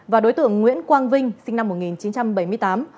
và đối tượng nguyễn quang vinh sinh năm một nghìn chín trăm bảy mươi tám